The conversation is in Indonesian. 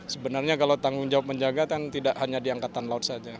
sebenarnya kalau tanggung jawab menjaga kan tidak hanya di angkatan laut saja